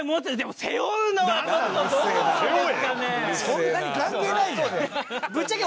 そんなに関係ないじゃん。